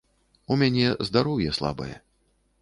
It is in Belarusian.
У мяне здароўе слабае.